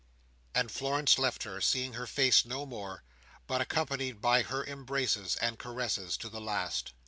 And Florence left her, seeing her face no more, but accompanied by her embraces and caresses to the last.